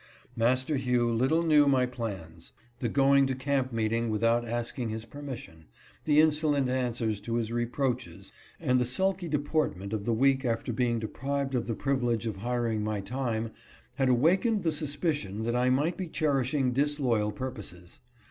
Master Hugh little knew my plans. The going to camp meeting without asking his permission ; the insolent answers to his reproaches and the sulky deportment of the week after being deprived of the privilege of hiring my time, had awakened the suspicion that I might be cherishing disloyal purposes.